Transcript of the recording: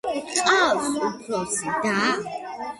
ჰყავს უფროსი და.